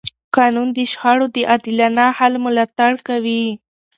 قانون د شخړو د عادلانه حل ملاتړ کوي.